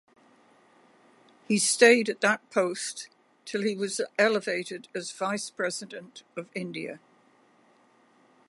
He stayed at that post till he was elevated as Vice-President of India.